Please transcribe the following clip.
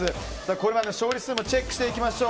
これまでの勝利数もチェックしていきましょう。